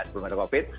sebelum ada covid